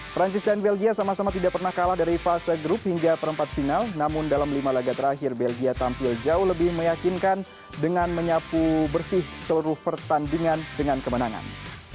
perancis dan belgia sama sama tidak pernah kalah dari fase grup hingga perempat final namun dalam lima laga terakhir belgia tampil jauh lebih meyakinkan dengan menyapu bersih seluruh pertandingan dengan kemenangan